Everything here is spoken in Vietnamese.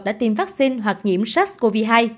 đã tiêm vaccine hoặc nhiễm sars cov hai